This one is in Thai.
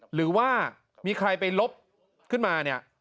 หรือว่ามีใครไปลบขึ้นมาเนี่ย